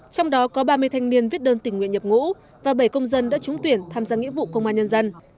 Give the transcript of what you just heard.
trong đó có ba mươi thanh niên viết đơn tình nguyện nhập ngũ và bảy công dân đã trúng tuyển tham gia nghĩa vụ công an nhân dân